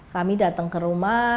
kami datang ke rumah